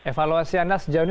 evaluasi anda sejauh ini